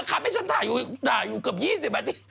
มาขับให้ฉันถ่ายอยู่เบียบถ่ายอยู่เกือบ๒๐แมรติ